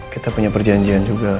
kita punya perjanjian juga